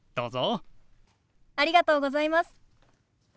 ありがとうございます。